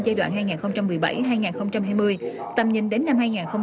giai đoạn hai nghìn một mươi bảy hai nghìn hai mươi tầm nhìn đến năm hai nghìn ba mươi